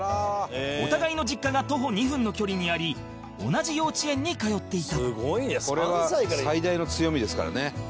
お互いの実家が徒歩２分の距離にあり同じ幼稚園に通っていた